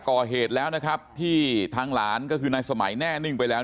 ก่อเหตุแล้วนะครับที่ทางหลานก็คือนายสมัยแน่นิ่งไปแล้ว